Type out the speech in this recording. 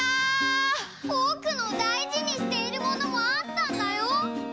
ぼくのだいじにしているものもあったんだよ！